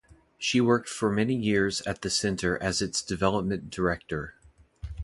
She worked for many years at The Center as its development director.